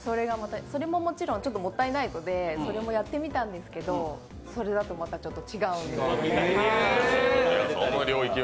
それももちろんちょっともったいないのでそれもやってみたんですけどそれだとまたちょっと違うんで。